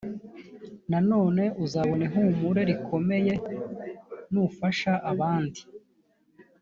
nanone uzabona ihumure rikomeye nufasha abandi